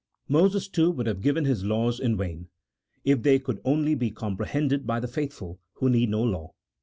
Moses, too, would have given his laws in vain, if they could only be comprehended by the faithful, who need no law.